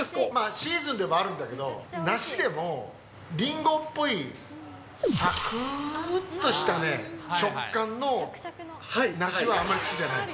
シーズンでもあるんだけど、梨でもリンゴっぽいさくーとした食感の梨はあんまり好きじゃないの。